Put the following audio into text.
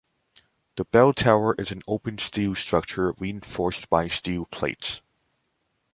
The bell tower is an open steel structure reinforced by steel plates.